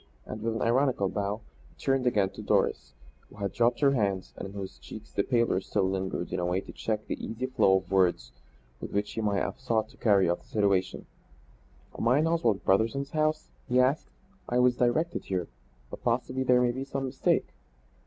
And with an ironical bow he turned again to Doris, who had dropped her hands, but in whose cheeks the pallor still lingered in a way to check the easy flow of words with which he might have sought to carry off the situation. "Am I in Oswald Brotherson's house?" he asked. "I was directed here. But possibly there may be some mistake."